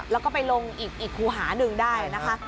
แล้วก็ไปลงอีกครูหาหนึ่งได้นะคะ